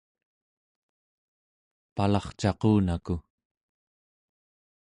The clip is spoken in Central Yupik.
palarcaqunaku